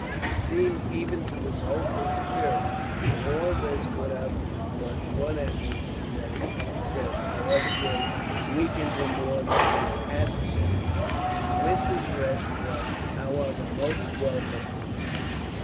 It seemed, even to his hopeful spirit, that all this could have but one ending; and that each success, however great, weakened him more than his adversaries. The winter's rest was, however, most welcome.